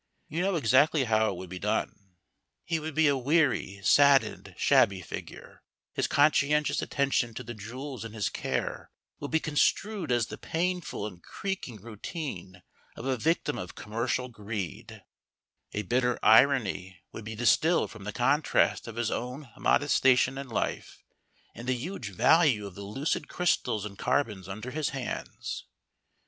You know exactly how it would be done. He would be a weary, saddened, shabby figure: his conscientious attention to the jewels in his care would be construed as the painful and creaking routine of a victim of commercial greed; a bitter irony would be distilled from the contrast of his own modest station in life and the huge value of the lucid crystals and carbons under his hands.